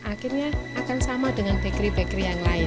akhirnya akan sama dengan bakery bakery yang lain